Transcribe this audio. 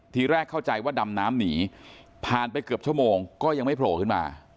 ทีแรกเข้าใจว่าดำน้ำหนีผ่านไปเกือบชั่วโมงก็ยังไม่โผล่ขึ้นมา